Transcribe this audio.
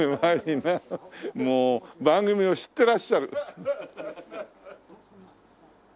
もう番組を知ってらっしゃる。